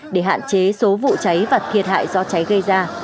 để hạn chế số vụ cháy và thiệt hại do cháy gây ra